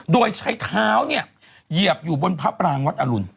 โดยใช้เท้าเนี่ยเหยียบอยู่บนพระปรางวัดอรุณ